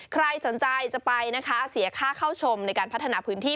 ใครสนใจจะไปนะคะเสียค่าเข้าชมในการพัฒนาพื้นที่